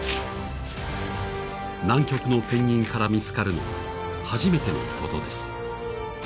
南極のペンギンから見つかるのは初めてのことです。